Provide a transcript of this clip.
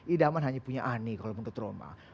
idaman hanya punya ani kalau menurut roma